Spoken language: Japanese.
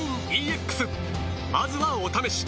まずはお試し